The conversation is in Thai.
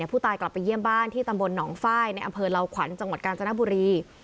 ผู้ตายกลับไปเยี่ยมบ้านที่ตำบลหนองไฟล์ในอำเภอเหล่าขวัญจังหวัดกาญจนบุรี